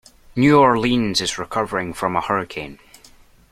New Orleans is recovering from a hurricane.